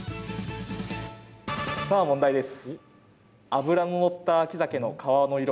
さあ問題です。